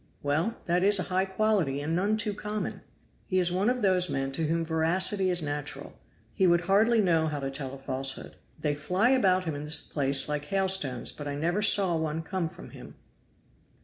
"Well, that is a high quality and none too common." "He is one of those men to whom veracity is natural. He would hardly know how to tell a falsehood. They fly about him in this place like hailstones, but I never saw one come from him."